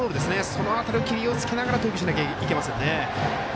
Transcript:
その辺りを気をつけながら投球しなきゃいけないですね。